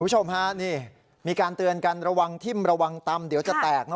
คุณผู้ชมฮะนี่มีการเตือนกันระวังทิ้มระวังตำเดี๋ยวจะแตกนะ